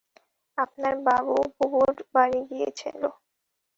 আপনার বাবু বুবুর বাড়ি গিয়েছিল।